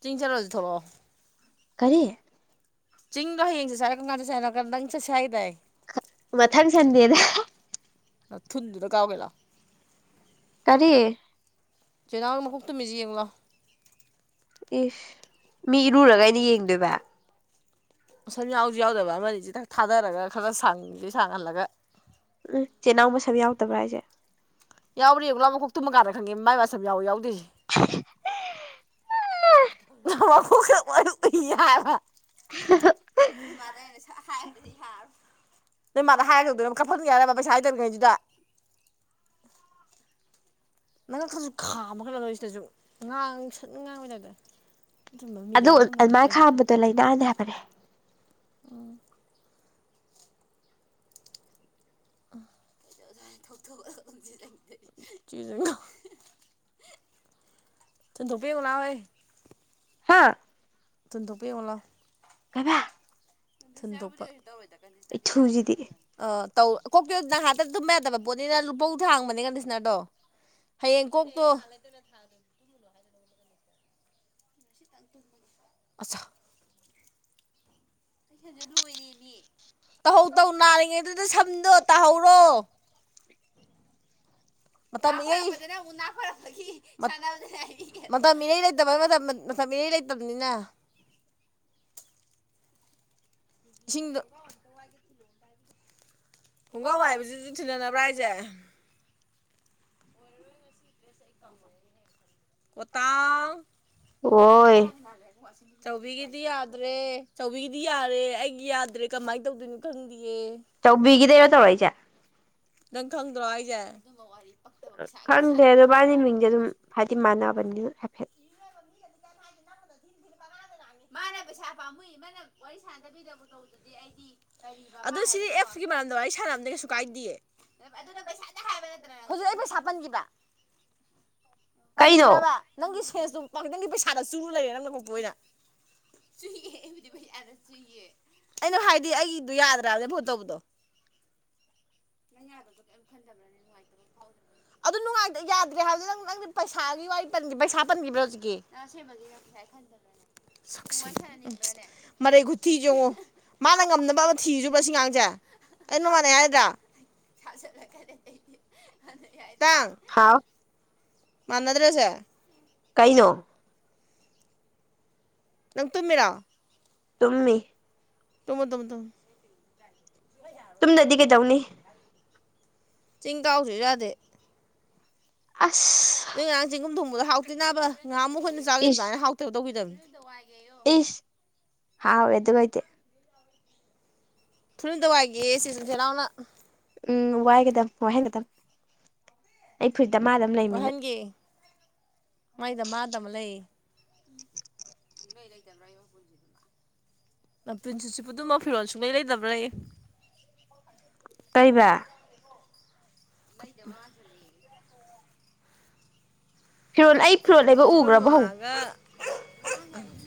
ꯆꯤꯡ ꯆꯠꯂꯣꯁꯤ ꯊꯣꯛꯂꯛꯑꯣ ꯀꯔꯤ ꯆꯤꯡꯗꯣ ꯍꯡꯦ ꯍꯥꯏꯔꯛ ꯀꯥꯟꯗꯦ ꯍꯥꯏꯅꯔꯀꯥꯟꯗꯪ ꯆꯠꯦ ꯍꯥꯏꯗꯥꯏ ꯃꯊꯥꯟ ꯁꯗꯤ ꯑꯗ ꯊꯟꯗꯗꯨꯗꯒꯥꯎꯕꯒꯦ ꯀꯔꯤ ꯆꯩꯅꯥꯡ ꯃꯈꯀꯣꯛ ꯇꯨꯝꯃꯤꯁꯦ ꯌꯦꯡꯂꯣ ꯏꯁ ꯃꯤ ꯏꯔꯨꯔꯒ ꯑꯩꯅ ꯌꯦꯡꯗꯣꯏꯕ ꯁꯝ ꯌꯥꯎꯁꯨ ꯌꯥꯎꯗꯕ ꯑꯃꯅꯤ ꯆꯤ ꯊꯥꯗꯔꯒ ꯈꯔ ꯈꯔ ꯁꯥꯡꯁꯦ ꯁꯥꯡꯍꯜꯂꯒ ꯎꯝ ꯆꯦꯅꯥꯎ ꯃꯁꯝ ꯌꯥꯎꯗꯕ꯭ꯔꯥ ꯑꯩꯁꯦ ꯌꯥꯎꯔꯤ ꯒꯂꯥꯕꯣꯛ ꯇꯨꯝꯃꯀꯗ ꯈꯪꯦ ꯃꯥꯏ ꯑꯁ ꯌꯥꯝ ꯌꯥꯎ ꯌꯥꯎꯗꯔꯤꯁꯤ [unintelligible] ꯐ ꯌꯥꯕ ꯎ ꯃꯥꯗꯩꯅ ꯍꯥꯏꯕꯗꯨꯗꯤ ꯍꯥꯏꯔꯣ ꯅꯣꯏ ꯃꯥꯗ ꯍꯥꯏꯔꯒꯗꯅꯝꯞꯐꯠꯨ ꯌꯥꯔꯕ ꯄꯩꯁꯥ ꯍꯥꯏꯗꯣꯏꯔꯤꯉꯩꯗꯨꯗ ꯅꯪ ꯈꯁꯨ ꯈꯥ ꯈꯠꯂꯣꯏꯁꯤꯗꯁꯨ ꯉꯥꯡ ꯁꯠꯅ ꯉꯥꯡꯕꯗꯇ ꯑꯗꯨꯨꯝꯝꯕ ꯃꯤꯗꯤ ꯃꯥꯜꯂ ꯀꯩ ꯑꯗꯨꯣ ꯂꯥꯏꯅꯥꯅꯦ ꯍꯥꯏꯕꯅꯦ ꯆꯤꯖ ꯇꯗꯄꯤꯒꯂ ꯍꯌꯦ ꯍꯥꯥ ꯇꯨꯗ ꯄꯤꯣꯂ ꯀꯗꯥ ꯊ ꯏꯊꯨꯁꯤꯗꯤ ꯑ ꯇꯧ ꯀꯣꯛꯀ ꯅꯍꯥꯛꯇ ꯇꯨꯝꯕ ꯌꯥꯗꯕ ꯄꯣꯠꯅꯤꯅ ꯂꯨꯄꯧ ꯍꯥꯡꯕꯅꯦ ꯀꯟꯗꯤꯁꯅꯔꯗꯣ ꯍꯌꯦꯡ ꯀꯣꯛꯇꯣ ꯇ ꯑꯆꯥ ꯇꯧꯍꯧ ꯇꯧ ꯅꯥꯔꯤꯉꯩꯗꯨꯗ ꯁꯝꯗꯣ ꯇꯥꯍꯧꯔꯣ ꯃ ꯎ ꯐ ꯃꯇꯝ ꯃꯤꯔꯩ ꯂꯩꯇꯕ ꯃꯇꯝ ꯃꯤꯔꯩ ꯂꯩꯇꯕꯅꯤꯅ ꯍꯁꯤꯡꯗꯨ ꯈꯣꯡꯒꯥꯎ ꯍꯥꯏꯕꯁꯤ ꯊꯤꯖꯤꯟꯅꯕ꯭ꯔꯥ ꯍꯥꯢꯁꯦ ꯑ [unintelligible] ꯀꯇꯜ [inaudible] ꯆꯥꯎꯕꯤꯒꯤꯗꯤ ꯌꯥꯗ꯭ꯔꯦ ꯆꯥꯎꯕꯤꯒꯤꯗꯤ ꯌꯥꯔꯦ ꯑꯩꯒꯤ ꯌꯥꯗ꯭ꯔꯦ ꯀꯃꯥꯏꯅ ꯇꯧꯗꯣꯏꯅꯣ ꯈꯪꯗꯦꯌꯦ ꯆꯧꯕꯤꯒꯤꯗꯩꯔ ꯇꯧꯔꯛꯏꯁꯦ ꯅꯪ ꯈꯪꯗ꯭ꯔꯣ ꯍꯥꯏꯁꯦ ꯈꯪꯗꯦ ꯑꯗꯣ ꯏꯕꯥꯅꯤ ꯃꯤꯡꯁꯦ ꯑꯗꯨꯝ ꯍꯥꯏꯗꯤ ꯃꯥꯟꯅꯕꯅꯤꯅ ꯍꯥꯏꯐꯦꯠ ꯏ ꯍꯥꯏ [inaudible] ꯃꯥꯅ ꯄꯩꯁꯥ ꯄꯥꯝꯃꯨꯏ ꯃꯥꯅ ꯋꯥꯔꯤ ꯁꯥꯟꯅꯗꯕꯤꯗ ꯇꯧꯗꯗꯤ ꯑꯩꯗꯤ ꯑꯗꯣ ꯁꯤꯗꯤ ꯑꯦꯞꯁꯀꯤ ꯃꯔꯝꯗ ꯋꯥꯔꯤ ꯁꯥꯟꯅꯕꯗꯤ ꯀꯩꯁꯨ ꯀꯥꯏꯗꯦ ꯍꯧꯖꯤꯛ ꯑꯩ ꯄꯩꯁꯥ ꯄꯟꯈꯤꯕꯔꯥ ꯀꯩꯅꯣ ꯄꯟꯕ꯭ꯔꯕ ꯅꯪꯒꯤ ꯁꯦꯁꯇꯨ ꯅꯪꯒꯤ ꯄꯩꯁꯥꯗ ꯆꯨꯨꯔ ꯂꯩꯔꯦ ꯅꯪ ꯅꯀꯣꯛꯇꯣ ꯑꯣꯏꯅ ꯑꯩꯅ ꯍꯥꯏꯗꯤ ꯑꯩꯗꯣ ꯌꯥꯗ꯭ꯔꯕꯅꯦ ꯐꯣꯟ ꯇꯧꯕꯗꯣ ꯅꯪ ꯌꯥꯗꯗꯣ ꯀꯔꯤꯝ ꯈꯟꯖꯕ꯭ꯔꯅꯦ ꯅꯨꯡꯉꯥꯏꯇꯕ ꯐꯥꯎꯗꯕ꯭ꯔ [inaudible] ꯑꯗꯨ ꯅꯨꯡꯉꯥꯢ ꯌꯥꯗ꯭ꯔꯦ ꯍꯥꯏꯕꯗꯨ ꯅꯪ ꯅꯪꯗꯤ ꯄꯩꯁꯥꯒꯤ ꯋꯥꯔꯤ ꯄꯩꯁꯥ ꯄꯟꯈꯤꯕ꯭ꯔꯣ ꯍꯧꯖꯤꯛꯀꯤ ꯑꯁꯦꯡꯕꯗꯤ ꯌꯥꯝꯁ ꯍꯥꯏ ꯈꯟꯗꯅꯅꯦ ꯁꯅꯤꯡꯗꯅꯦ [inaudible] ꯃꯔꯩ ꯈꯨꯊꯤꯁꯦ ꯌꯦꯡꯉꯣ ꯃꯥꯅ ꯉꯝꯅꯕ ꯑꯃ ꯊꯤꯔꯤꯁꯦ ꯁꯤ ꯑꯉꯥꯡꯁꯦ ꯑꯩꯅ ꯃꯥꯟꯅꯩ ꯍꯥꯢꯗ꯭ꯔꯥ ꯍꯥꯏꯗꯪ [inaudible] ꯍꯥꯎ ꯃꯅꯥꯗ꯭ꯔꯥ ꯁꯦ ꯀꯩꯅꯣ ꯅꯪ ꯇꯨꯝꯃꯤꯔꯥ ꯇꯨꯝꯃꯤ ꯇꯨꯝꯃꯨ ꯇꯨꯝꯃꯨ ꯇꯨꯝꯗꯔꯥꯗꯤ ꯀꯩꯗꯧꯅꯤ ꯆꯤꯡ ꯀꯥꯎꯁꯤꯁꯨ ꯌꯥꯗꯦ ꯑꯁ ꯅꯣꯏ ꯉꯔꯥꯡ ꯆꯤꯡ ꯀꯨꯝ ꯊꯣꯡꯕꯗꯣ ꯍꯥꯎꯇꯦꯅꯥꯕ ꯉꯥꯃꯨꯛꯈꯣꯏꯅ ꯆꯥꯈꯤꯕ ꯏꯁ ꯑꯗꯨꯃꯥꯏꯅ ꯍꯥꯎꯇꯕ ꯇꯧꯈꯤꯗꯕꯅꯦ ꯏꯁ ꯍꯥꯎ ꯌꯦꯗꯨꯒꯥꯏꯇ [inaudible] ꯐꯨꯔꯤꯠ ꯑꯝꯇ ꯋꯥꯏꯒꯤ ꯁꯤꯁꯦꯅꯥꯎꯅ ꯎꯝ ꯋꯥꯏꯒꯗꯝ ꯋꯥꯏꯍꯟꯒꯗꯝ ꯑꯩ ꯐꯨꯔꯤꯠꯇꯤ ꯃꯥꯅ ꯑꯗꯨꯝ ꯂꯩꯃꯤꯅ ꯃ ꯏꯗ ꯃꯥꯗꯝ ꯂꯩꯦ [inaudible] ꯅꯄꯨꯟꯁꯤ ꯆꯨꯞꯄꯗꯨꯃ ꯐꯤꯔꯣꯜ ꯁꯨꯡꯂꯩ ꯂꯩꯗꯕ꯭ꯔꯥꯌꯦ ꯀꯩꯕ ꯐꯗ ꯃꯥ [inaudible] ꯐꯤꯔꯣꯜ ꯑꯩ ꯐꯤꯔꯣꯜ ꯂꯩꯕ ꯎꯈ꯭ꯔꯕꯣ ꯍꯪꯉꯣ ꯉ [inaudible] ꯎ [inaudible]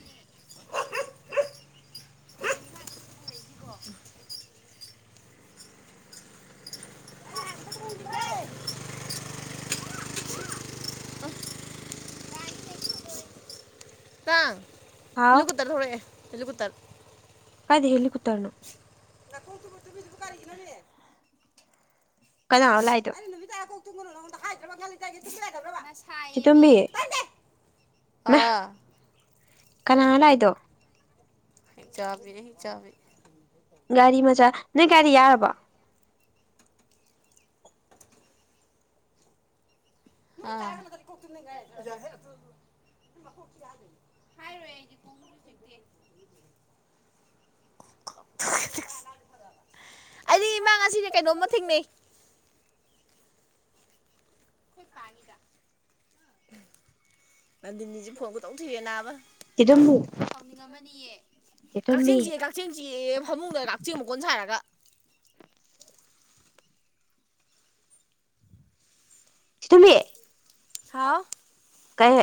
ꯂ ꯀꯗ [inaudible] ꯍ [inaudible] ꯍꯥꯎ ꯍꯂꯨꯀꯇꯔ ꯊꯣꯛꯦ ꯍꯂꯨꯀꯇꯔ [inaudible] ꯀꯥꯢꯗꯩ ꯍꯤꯂꯨꯀꯨꯞꯇ꯭ꯔꯅꯣ ꯅ ꯈꯣꯡꯇꯨ ꯈꯠꯇꯕꯤꯗꯨꯕꯨ ꯀꯔꯤꯒꯤꯅ ꯍꯥꯏꯌꯦꯦ [inaudible] ꯀꯅꯥꯅꯣ ꯂꯛꯢꯗꯣ ꯇꯨꯡꯅ ꯍ ꯍꯥꯏꯗ꯭ꯔꯕꯥ ꯂꯤꯦ ꯍ ꯍꯥꯏꯗ꯭ꯔ [inaudible] ꯆꯤꯇꯣꯝꯕꯤ ꯍꯩꯃꯥ ꯑꯥ ꯀꯅꯥꯅꯣ ꯂꯥꯛꯏꯗꯣ ꯍꯤꯡꯆꯥꯕꯤꯅꯦ ꯍꯤꯡꯆꯥꯕꯤ ꯒꯥꯔꯤ ꯃꯆꯥ ꯅꯣꯏ ꯒꯥꯔꯤ ꯌꯥꯔꯕꯣ ꯑꯥ [unintelligible] [unintelligible] ꯑꯩꯗꯤ ꯏꯃꯥꯡ ꯑꯁꯤꯅꯦ ꯀꯩꯅꯣꯝꯃ ꯊꯦꯡꯅꯩ ꯅꯟꯗꯤꯅꯤꯁꯤ ꯐꯣꯟꯇꯧ ꯊꯨꯔꯦ ꯅꯥꯕꯥ ꯆꯦꯇꯨꯝꯕꯤ ꯆꯦꯇꯨꯝꯕꯤ ꯀꯛꯆꯤꯡꯁꯤ ꯐꯃꯨꯡꯗ ꯀꯛꯆꯦꯡ ꯃꯣꯟ ꯁꯥꯥꯏꯔꯒ ꯁꯤꯇꯃꯦ ꯍꯥꯥꯎ ꯀꯩ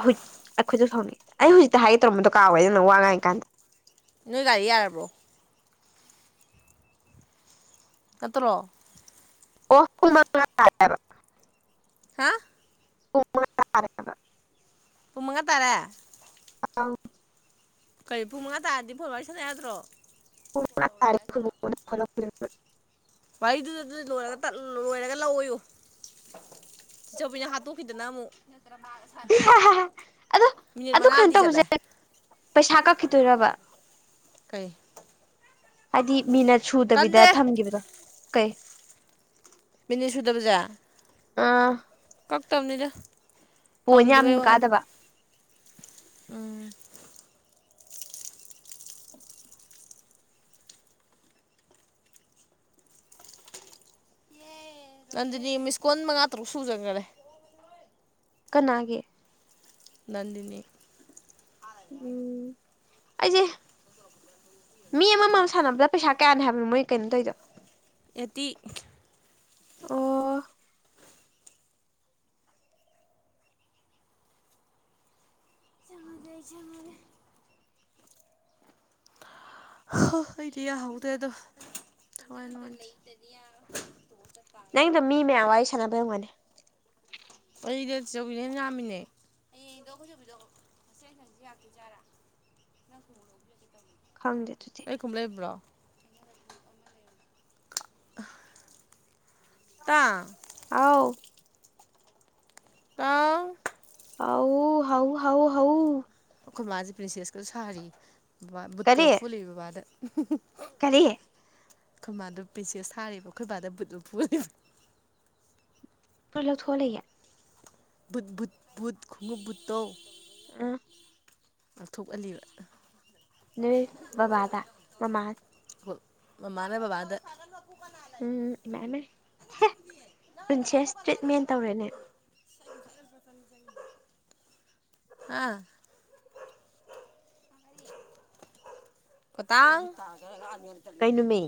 ꯑꯩꯈꯣꯏꯁꯨ ꯁꯥꯎꯅꯤ ꯑꯩ ꯍꯧꯖꯤꯛꯇ ꯍꯥꯏꯒꯦ ꯇꯧꯔꯝꯕꯗꯣ ꯀꯥꯕꯏ ꯑꯗꯨꯅ ꯋꯥ ꯉꯥꯡꯥꯏ ꯀꯥꯟꯗ ꯅꯣꯏ ꯒꯥꯔꯤ ꯌꯥꯔꯕꯣ ꯅꯠꯇ꯭ꯔꯣ ꯑꯣꯐꯨꯜ [unintelligible] ꯍꯥ ꯄꯨꯡ ꯃꯉꯥ ꯇꯥꯔꯦ ꯑꯥꯎ ꯀꯔꯤ ꯄꯨꯡ ꯃꯉꯥ ꯇꯥꯔꯗꯤ ꯐꯣꯟ ꯋꯥꯔꯤ ꯁꯥꯟꯅ ꯌꯥꯗ꯭ꯔꯣ [unintelligible] ꯚꯩꯗꯨꯗ ꯑꯗꯨ ꯂꯣꯏꯔꯒ ꯂꯣꯏꯔꯒ ꯂꯥꯛꯑꯣꯨ ꯆꯦ ꯆꯧꯕꯤꯅ ꯍꯥꯠꯇꯣꯛꯈꯤꯗꯅ ꯑꯃꯨꯛ ꯑꯗꯣ ꯃꯤꯅꯤꯠ ꯑꯗꯨ ꯀꯩꯅꯣ ꯃꯉꯥꯗꯤ ꯇꯧꯕꯁꯦ ꯆꯠꯂꯦ ꯄꯩꯁꯥ ꯀꯛꯈꯤꯗꯣꯏꯔꯕ ꯀꯩꯅꯣ ꯍꯥꯏꯗꯤ ꯃꯤꯅ ꯁꯨꯗꯕꯤꯗ ꯀꯟꯗꯦ ꯊꯝꯈꯤꯕꯗꯣ ꯀꯩ ꯃꯤꯅꯤꯠ ꯁꯨꯗꯕꯁꯦ ꯑꯥ ꯀꯛ ꯇꯕꯅꯤꯗ ꯄꯣꯏꯟ ꯌꯥꯝ ꯀꯥꯗꯕ ꯎꯝ ꯅꯪ ꯑꯗꯨꯗꯤ ꯃꯤꯁꯀꯣꯟ ꯃꯉꯥ ꯇꯔꯨꯛ ꯁꯨꯖꯈꯔꯦ ꯀꯅꯥꯒꯤ ꯅꯟꯅꯤ ꯎꯝ ꯑꯩꯁꯦ ꯃꯤ ꯑꯃꯃꯝ ꯁꯥꯟꯅꯕꯗ ꯄꯩꯁꯥ ꯀꯌꯥꯅꯦ ꯍꯥꯏꯕꯅꯣ ꯃꯣꯏ ꯀꯩꯅꯣ ꯇꯧꯗꯣ ꯑꯦꯠꯇꯤ ꯑꯣ [unintelligible] ꯍ ꯑꯩꯗꯤ ꯌꯥꯍꯧꯗ꯭ꯔꯦ ꯑꯗꯣ ꯊ ꯅꯪꯗꯣ ꯃꯤ ꯃꯌꯥꯝ ꯋꯥꯔꯤ ꯁꯥꯟꯅꯕꯔꯝꯒꯅꯤ [unintelligible] ꯌꯥꯔꯥ ꯅꯪ ꯍꯂ ꯂꯧꯖꯦ ꯇꯝꯣ ꯈꯪꯗꯦ ꯑꯗꯨꯗꯤ ꯀꯨꯝꯂꯦꯕ꯭ꯔꯥ ꯇꯥ ꯑꯥꯎ ꯍꯥꯏ ꯍꯥꯎ ꯍꯥꯎ ꯍꯥꯎ ꯍꯥꯎ ꯑꯩꯈꯣꯏ ꯃꯥꯁꯦ ꯄ꯭ꯔꯤꯟꯁꯦꯁꯀꯥ ꯁꯥꯔꯤꯌꯦ ꯕꯕꯥ ꯕꯨꯠꯀ ꯀꯔꯤ ꯂꯧꯊꯣꯛꯍꯜꯂꯦ ꯕꯕꯥꯗ ꯀꯔꯤ ꯑꯈꯣꯏ ꯃꯥꯗꯣ ꯄꯔꯤꯟꯁꯦꯁ ꯁꯥꯔꯤꯕ ꯑꯈꯣꯏ ꯕꯥꯗ ꯕꯨꯠ ꯂꯧꯊꯣꯛꯍꯜꯂꯤꯕꯥ ꯄꯨꯣꯏ ꯂꯧꯊꯣꯛꯂꯑꯦ ꯕꯨꯠ ꯕꯨꯠ ꯕꯨꯠ ꯈꯨꯡꯉꯨꯞ ꯕꯨꯠꯇꯣ ꯑ ꯉꯥꯛꯊꯣꯛꯍꯜꯂꯤꯕ ꯅꯣꯏ ꯕꯕꯥꯗ ꯃꯃꯥ ꯃꯃꯥꯅꯥ ꯕꯕꯥꯗ ꯎꯝ ꯃꯥꯅꯦ ꯄ꯭ꯔꯤꯟꯁꯦꯁ ꯇ꯭ꯔꯤꯠꯃꯦꯟ ꯇꯧꯔꯦꯅꯦ [unintelligible] ꯑꯥ ꯄꯇꯥꯥꯡ ꯀꯩꯅꯣꯃꯤ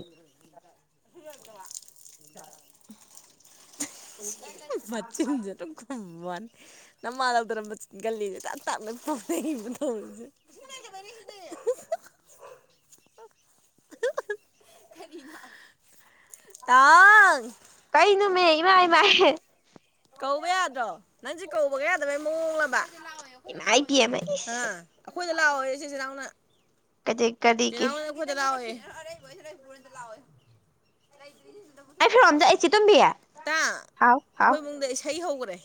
[unintelligible] ꯃꯆꯤꯟꯖꯦ ꯌꯥꯝ ꯋꯥꯅꯤ ꯃꯃꯥ ꯂꯧꯗꯔꯝꯕ ꯒꯜꯂꯤꯁꯦ ꯇꯞ ꯇꯞꯅ ꯄꯥꯅꯈꯤꯕ ꯃꯊꯧꯔꯤꯁꯦ [inaudible] ꯇꯥꯡ ꯀꯩꯅꯣꯃꯤ ꯏꯃꯥꯏꯃꯥꯏ ꯀꯧꯕ ꯌꯥꯗ꯭ꯔꯣ ꯅꯪꯁꯦ ꯀꯧꯕꯒ ꯌꯥꯗꯕꯩ ꯃꯣꯡꯂꯕ ꯏꯃꯥꯏ ꯄꯦꯝꯃ ꯏꯁ ꯑꯩꯈꯣꯏꯗ ꯂꯥꯛꯑꯣꯌꯦ ꯆꯦ ꯆꯦꯅꯥꯎꯅ ꯀꯗꯤ ꯀꯔꯤꯒꯤ ꯃ ꯆ ꯂꯑꯣꯋꯦ ꯑꯔꯦ ꯄꯨ ꯆꯂꯑꯣꯣꯏ ꯑꯩ ꯐꯔꯣꯝꯖꯁꯤ ꯇꯣꯝꯕꯤ ꯇꯥ ꯍꯥꯎ ꯍꯥꯎ ꯑꯩꯈꯣꯏ ꯏꯁꯩ ꯍꯧꯈ꯭ꯔꯦ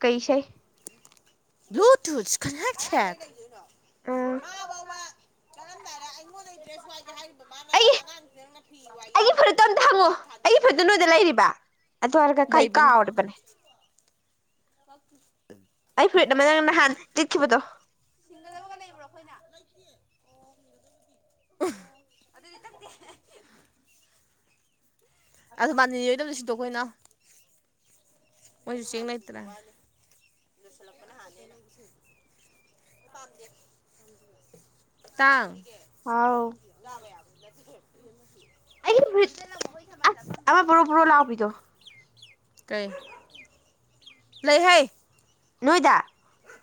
ꯀꯩ ꯏꯁꯩ ꯭ ꯑꯥ [unintelligible] ꯑꯩꯒꯤ ꯑꯩꯒꯤ ꯐꯨꯔꯤꯠꯇꯣ [unintelligible] ꯑꯝꯇ ꯍꯪꯉꯣ ꯑꯩ ꯐꯨꯔꯤꯠꯗꯨ ꯅꯣꯏꯗ ꯂꯩꯔꯤꯕ ꯑꯗꯨ ꯑꯣꯏꯔꯒ ꯀꯩ ꯂꯩꯕꯅꯦ ꯀꯥꯎꯔꯤꯕꯅꯦ [unintelligible] ꯑꯩ ꯐꯨꯔꯤꯠ ꯑꯃꯥ ꯅꯪ ꯅꯍꯥꯟ ꯂꯤꯠꯈꯤꯕꯗꯣ ꯁꯤꯡꯒꯗꯕꯒ ꯂꯩꯕ꯭ꯔꯣ ꯑꯩꯈꯣꯏꯅ [inaudible] ꯑꯗꯨ ꯃꯥꯅꯤꯔꯣꯏꯗꯕꯗ ꯁꯤꯗꯣ ꯑꯩꯈꯣꯏꯅꯣ ꯃꯣꯏꯁꯨ ꯆꯦꯡ ꯂꯩꯇ꯭ꯔꯦ [inaudible] [unintelligible] ꯇꯥꯡ ꯑꯥꯎ ꯂꯔꯦ ꯌꯥꯝ [unintelligible] ꯀꯩ ꯂꯩꯍꯥꯏ ꯅꯣꯏꯗ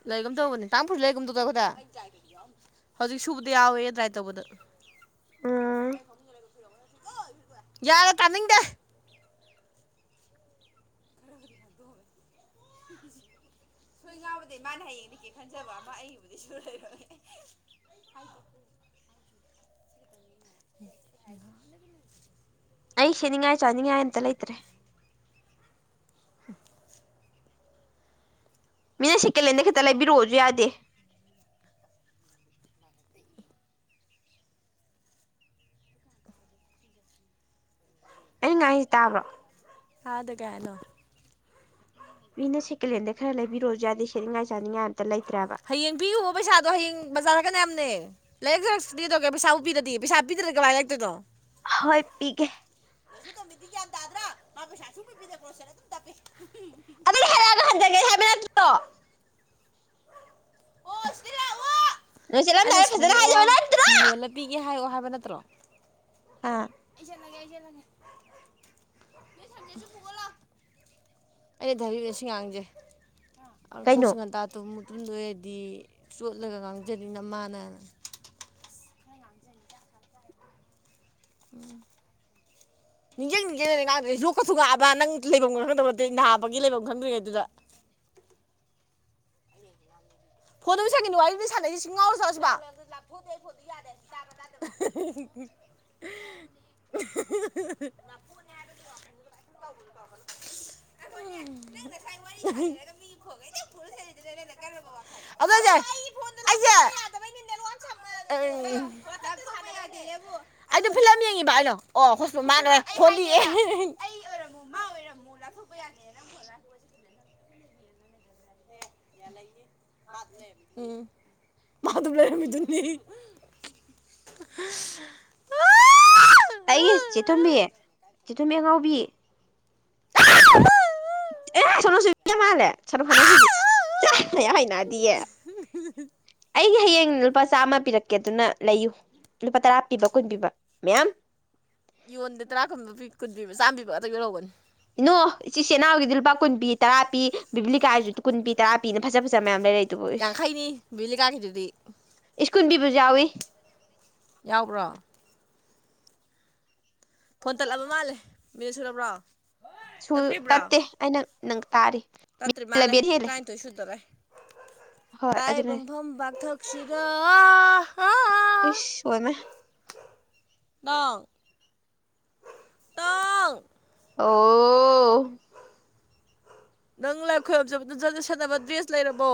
ꯂꯩꯒꯨꯝ ꯇꯧꯕꯅꯦ ꯇꯥꯡꯐꯁꯨ ꯂꯩꯒꯨꯝꯗꯧꯗ ꯈꯗꯥ ꯍꯧꯖꯤꯛ ꯁꯨꯕꯗ ꯌꯥꯎꯋꯦ ꯗ꯭ꯔꯥꯏ ꯇꯧꯕꯗ ꯑꯥ ꯌꯥꯔꯦ ꯇꯥꯅꯤꯡꯗꯦ ꯁꯣꯏ ꯉꯥꯎꯕꯗꯒꯤꯩ ꯃꯥꯅ ꯍꯌꯦꯡꯗꯒꯤꯀꯦ ꯈꯟꯖꯕ ꯑꯃ ꯑꯩꯒꯤꯕꯨꯗꯤ ꯁꯨꯔ ꯂꯩꯔꯝꯃꯦ [unintelligible] ꯑꯣ ꯑꯩ ꯁꯤꯅꯤꯉꯥꯏ ꯆꯥꯅꯤꯡꯉꯥꯏ ꯑꯃꯇꯥ ꯂꯩꯇꯦ [unintelligible] ꯃꯤꯅ ꯁꯤꯀꯂꯦꯟꯗ ꯈꯤꯇ ꯂꯩꯕꯤꯔꯛꯑꯣꯁꯨ ꯌꯥꯗꯦ ꯑꯩꯅ ꯉꯥꯡꯏꯁꯤ ꯇꯥꯕ꯭ꯔꯣ ꯊꯥꯗꯥ ꯀꯩ ꯍꯥꯏꯅꫭ ꯃꯤꯅ ꯁꯦꯀꯦꯟꯍꯦꯟꯗꯒꯤ ꯈꯔ ꯂꯩꯕꯤꯔꯣꯁꯨ ꯌꯥꯗꯦ ꯁꯦꯠꯅꯤꯡꯉꯥꯏ ꯆꯥꯅꯤꯡꯉꯥꯏ ꯑꯝꯇ ꯂꯩꯇ꯭ꯔꯕ ꯍꯌꯦꯡ ꯄꯤꯌꯨꯕ ꯄꯩꯁꯥꯗꯣ ꯍꯌꯦꯡ ꯕꯖꯥꯔꯀꯅ ꯌꯥꯝꯅꯦ ꯂꯥꯛ ꯀꯩꯥ ꯁꯤꯗꯤ ꯄꯤꯗꯦ ꯄꯩꯁꯥ ꯄꯤꯗꯦ ꯀꯃꯥꯏ ꯂꯩꯔꯛꯇꯣꯏꯅꯣ ꯍꯣꯏ ꯄꯤꯒꯦ ꯑꯗꯨ ꯇꯃꯤꯗꯤ ꯀ꯭ꯌꯥꯟ ꯇꯥꯗ꯭ꯔꯥ ꯃꯥꯄꯩꯁꯥ ꯁꯨꯡꯄꯤꯗ ꯄꯨꯣꯁ ꯒ꯭ꯦꯔꯖꯨꯋꯦꯠ ꯇꯝꯃꯦ ꯑꯗꯩ ꯍꯥꯏꯔꯛꯑꯒ ꯍꯟꯖꯟꯒꯦ ꯍꯥꯏꯕ ꯅꯠꯇ꯭ꯔꯣ ꯅꯨꯡ ꯑꯩꯅ ꯆꯠꯝꯗꯥꯏꯗ ꯐꯖꯟ ꯁꯣꯂꯛꯑꯣ ꯍꯥꯏꯌꯨ ꯐꯤ ꯅꯠꯇꯔ ꯌꯣꯜꯂ ꯄꯤꯒꯦ ꯍꯥꯏꯌꯨ ꯍꯥꯏꯕ ꯅꯠꯇ꯭ꯔꯣ ꯑꯥ ꯑꯩ ꯆꯦꯜꯂꯒꯦ ꯆꯦꯜꯂꯒꯦ ꯑꯩ ꯕꯤꯁꯤ ꯉꯥꯡꯁꯦ ꯑ ꯀꯣꯛ ꯀꯩꯅꯣ ꯁ ꯉꯥꯟꯇꯥꯥꯇꯕ ꯃꯨꯗ ꯑꯣꯏꯔꯗꯤ ꯆꯣꯠꯂꯒ ꯉꯥꯡꯖꯅꯤꯡꯅ ꯃꯥꯅ ꯑꯗꯨ ꯎꯝ ꯅꯤꯡꯖꯤꯡ ꯅꯤꯡꯖꯤꯡꯅꯦ ꯉꯥꯡꯗ꯭ꯔꯨꯁꯦ ꯂꯣꯛꯀ ꯊꯨꯡꯉꯥꯛꯑꯕ ꯅꯪ ꯂꯩꯐꯝ ꯈꯪꯗꯕ ꯅꯠꯇꯦ ꯅꯥꯥꯕꯒꯤ ꯂꯩꯐꯝ ꯈꯪꯗ꯭ꯔꯤꯉꯩ ꯑꯗꯨꯗ ꯐꯣꯟꯗꯁꯒꯤꯅꯅꯨꯡ ꯍꯥꯏ ꯁꯥꯟꯅ ꯁꯤꯁꯤꯡ ꯉꯥꯎꯔꯖꯥꯠꯂꯣ ꯁꯤꯕꯣ ꯑꯍꯤꯍꯤ ꯍꯤ ꯍꯤ ꯎꯝ ꯅꯪ ꯉꯁꯥꯏ ꯋꯥꯔꯤꯔꯒ ꯃꯤ ꯐꯣꯟ ꯐꯦ ꯂꯣꯏꯔꯔꯕ ꯑꯗꯨ [unintelligible] ꯑꯩꯗ ꯐꯤꯂꯝ ꯌꯦꯡꯉꯤꯕ ꯑꯩꯅꯣ ꯑꯣ ꯍꯣꯁꯄꯣꯠ ꯃꯥꯡꯒꯔꯦ ꯍꯣꯂꯤ ꯍꯂ ꯊꯣꯕꯌꯥꯅꯦꯅꯪ ꯄꯨꯂꯣꯏ ꯎꯝ ꯃꯥꯗꯨꯕ꯭ꯔꯦꯃꯤꯗꯨꯅꯤ [inaudible] ꯑꯩ ꯆꯦꯊꯣꯕꯤ ꯆꯦꯊꯣꯕꯤ ꯑꯉꯥꯎꯕꯤ [unintelligible] ꯑꯦ ꯁꯠꯅꯨꯁꯨꯨꯕꯤ ꯃꯥꯜꯂꯦ ꯁꯅ ꯈꯣꯠꯅꯁꯨꯨꯕꯤ ꯑꯌꯥꯝ ꯍꯩꯅꯗꯤꯌꯦ ꯑꯩꯒꯤ ꯍꯌꯦꯡ ꯂꯨꯄꯥ ꯆꯥꯝꯃ ꯄꯤꯔꯛꯀꯦ ꯑꯗꯨꯅ ꯂꯩꯌꯨ ꯂꯨꯄꯥ ꯇꯔꯥ ꯄꯤꯕ ꯀꯨꯟ ꯄꯤꯕ ꯃꯌꯥꯝ ꯌꯣꯟꯗꯦ ꯇꯔꯥ ꯀꯟꯕ ꯀꯨꯟ ꯄꯤꯕ ꯆꯥꯝꯕꯤꯕ ꯑꯗꯨ ꯌ ꯂꯧꯔꯧꯒꯅꯤ ꯏꯅꯣ ꯏꯆꯤꯜ ꯏꯅꯥꯎꯒꯤꯗꯤ ꯂꯨꯄꯥ ꯀꯨꯟ ꯄꯤ ꯇꯔꯥ ꯄꯤ ꯕꯤꯕꯂꯤꯀꯥꯏꯁꯨ ꯀꯨꯟ ꯄꯤ ꯇꯔꯥ ꯄꯤꯅ ꯐꯖ ꯐꯖꯕ ꯃꯌꯥꯝ ꯂꯩꯔꯁꯦ ꯌꯥꯡꯈꯩꯅꯤ ꯂꯤ ꯀꯒꯔꯤꯗꯨꯗꯩ ꯏꯁ ꯀꯨꯟꯄꯤꯕ ꯖꯨ ꯌꯥꯎꯏ ꯌꯥꯎꯕ꯭ꯔꯣ ꯐꯣꯟꯠ ꯇꯠꯂꯕ ꯃꯥꯜꯂꯦ ꯃꯤꯅ ꯁꯨꯔꯕ꯭ꯔꯣ ꯁꯨ ꯇꯠꯇ꯭ꯔꯤꯕ꯭ꯔꯣ ꯇꯠꯇꯦ ꯑꯩꯅ ꯅꯪ ꯇꯥꯔꯤ ꯇꯠꯇ꯭ꯔꯤ ꯃꯥꯂꯦ ꯑꯦꯂꯚꯦꯟ ꯍꯦꯜꯂꯦ ꯇꯥꯏ ꯊꯣꯏꯁꯨꯗꯔꯦ ꯍꯣꯏ ꯑꯗꯨꯅꯦ ꯇꯥꯏꯕꯝꯐꯝꯐꯝ ꯥꯛꯊꯣꯛꯁꯤꯔ ꯏꯁ ꯑꯣꯏ ꯏꯃꯥ ꯇꯥꯎ ꯄꯪ ꯑꯣ ꯅꯪ ꯂꯥꯏ ꯑꯩꯈꯣꯏ ꯍꯥꯞꯖꯕꯗꯨꯖꯅ ꯁꯦꯟꯅꯅꯕ ꯗ꯭ꯔꯦꯁ ꯂꯩꯔꯕꯣ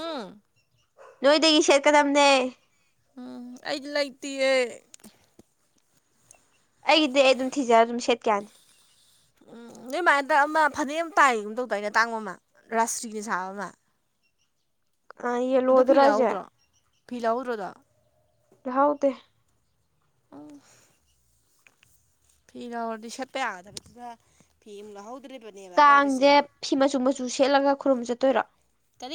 ꯎꯝ ꯅꯣꯏꯗꯒꯤ ꯁꯦꯠꯀꯗꯝꯅꯦ ꯎꯝ ꯑꯩ ꯂꯩꯇꯌꯦ ꯑꯩꯒꯤꯗꯤ ꯑꯩ ꯑꯗꯨꯝ ꯊꯤꯖꯔꯒ ꯑꯗꯨꯝ ꯁꯦꯠꯀꯦ ꯌꯥꯅꯤ ꯎꯝ ꯅꯣꯏꯃꯥꯏꯟꯗ ꯑꯃ ꯐꯅꯦꯛ ꯑꯃ ꯇꯥꯏꯒꯨꯝ ꯇꯧꯗꯏꯩꯅ ꯑꯇꯥꯡꯕ ꯑꯃ ꯔꯥꯥꯁꯇ꯭ꯔꯤꯒꯤ ꯁꯥꯕ ꯑꯃ ꯑ ꯑꯣ ꯐꯤ ꯌꯦꯜꯂꯣꯗꯨꯔꯣ ꯍꯥꯏꯁꯦ ꯂꯍꯧꯗ꯭ꯔꯣ ꯐꯤ ꯂꯧꯍꯧꯗ꯭ꯔꯣꯗ ꯌꯥꯍꯥꯎꯗꯦ ꯑ ꯐꯤ ꯂꯧꯔꯗꯤ ꯁꯦꯠꯄ ꯌꯥꯒꯗꯕꯗꯨꯗ ꯐꯤ ꯑꯃ ꯂꯧꯍꯧꯗ꯭ꯔꯦꯕ ꯇꯥꯡꯁꯦ ꯐꯤ ꯃꯆꯨ ꯃꯆꯨ ꯁꯦꯠꯂꯒ ꯈꯨꯔꯨꯝꯕ ꯆꯠꯇꯣꯏꯔꯣ ꯀꯔꯤ